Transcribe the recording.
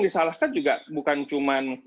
disalahkan juga bukan cuma